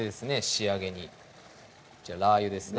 仕上げにこちらラー油ですね